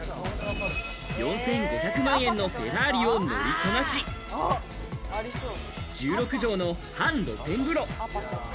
４５００万円のフェラーリを乗りこなし、１６畳の半露天風呂。